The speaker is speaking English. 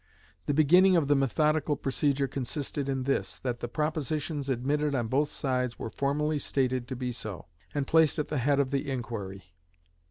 The beginning of the methodical procedure consisted in this, that the propositions admitted on both sides were formally stated to be so, and placed at the head of the inquiry.